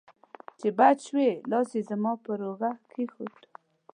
چې بچ شوې، لاس یې زما پر اوږه کېښود.